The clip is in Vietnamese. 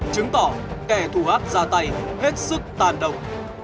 chứng tỏ kẻ thù ác ra tay hết sức tàn động